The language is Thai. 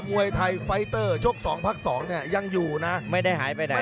มวยไทยไฟเตอร์ชก๒พัก๒เนี่ยยังอยู่นะไม่ได้หายไปไหน